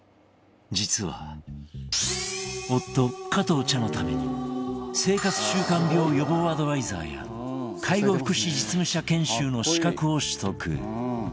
実は、夫・加藤茶のために生活習慣病予防アドバイザーや介護福祉実務者研修の資格を取得。